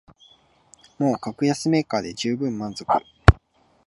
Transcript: もう格安メーカーでじゅうぶん満足